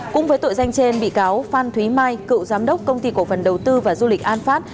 cũng với tội danh trên bị cáo phan thúy mai cựu giám đốc công ty cổ phần đầu tư và du lịch an phát